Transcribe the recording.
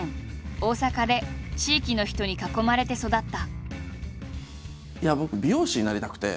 大阪で地域の人に囲まれて育った。